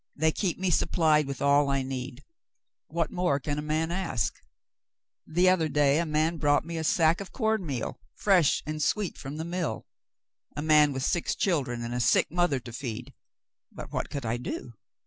They keep me supplied with all I need. What more can a man ask ? The other day, a man brought me a sack of corn meal, fresh and sweet from the mill — a man with six children and a sick mother to feed, but what could I do